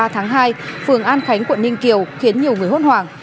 ba tháng hai phường an khánh quận ninh kiều khiến nhiều người hốt hoảng